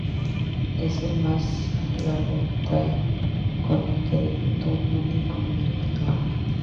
Es el largometraje con el que debutó Mooney como director.